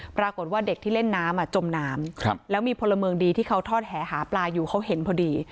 ปรากฏว่าเด็กที่เล่นน้ำจมน้ำแล้วมีพลเมืองดีที่เขาทอดแหหาปลาอยู่เขาเห็นพอดี